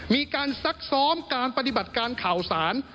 ซักซ้อมการปฏิบัติการข่าวสาร